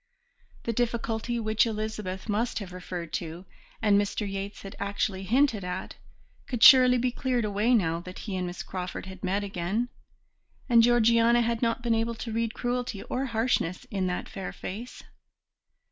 The difficulty which Elizabeth must have referred to, and Mr. Yates had actually hinted at, could surely be cleared away now that he and Miss Crawford had met again; and Georgiana had not been able to read cruelty or harshness in that fair face.